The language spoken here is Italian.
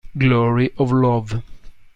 Glory of Love